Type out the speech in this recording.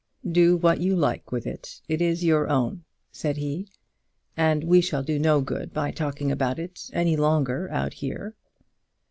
"Do what you like with it. It is your own," said he. "And we shall do no good by talking about it any longer out here."